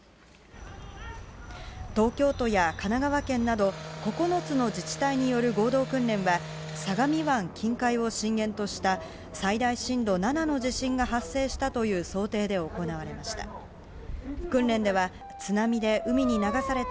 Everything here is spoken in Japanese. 東京都や神奈川県など９つの自治体による合同訓練は相模湾近海を震源とした最大震度７の地震が発生したという想定で行われました。